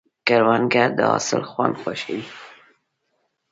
کروندګر د حاصل خوند خوښوي